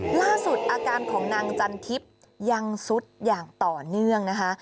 ล่าสุดอาการของนางจันทิพย์ยังสุดอย่างต่อเนื่องนะคะ